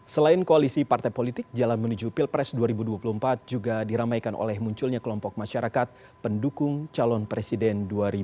selain koalisi partai politik jalan menuju pilpres dua ribu dua puluh empat juga diramaikan oleh munculnya kelompok masyarakat pendukung calon presiden dua ribu dua puluh